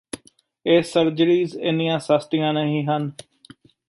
ਇਹ ਸਰਜਰੀਜ਼ ਇੰਨੀਆਂ ਸਸਤੀਆਂ ਨਹੀਂ ਹਨ